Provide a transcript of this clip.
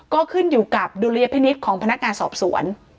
ก็ขึ้นอยู่กับดุลยพินิษฐ์ของพนักงานสอบสวน